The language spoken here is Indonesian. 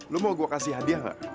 lu mau gue kasih hadiah gak